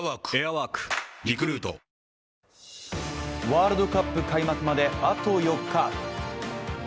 ワールドカップ開幕まで、あと４日。